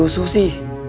gak perlu susi